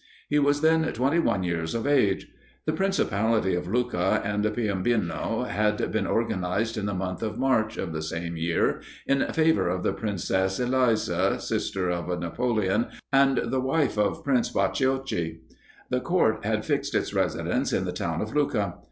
He was then twenty one years of age. The principality of Lucca and Piombino had been organised in the month of March, of the same year, in favour of the Princess Eliza, sister of Napoleon, and the wife of Prince Bacciochi. The Court had fixed its residence in the town of Lucca.